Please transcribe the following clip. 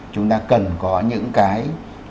chúng ta cần có những cái